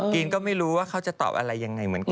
กินก็ไม่รู้ว่าเขาจะตอบอะไรยังไงเหมือนกัน